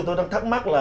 tôi đang thắc mắc là